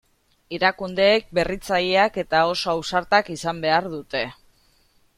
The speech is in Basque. Erakundeek berritzaileak eta oso ausartak izan behar dute.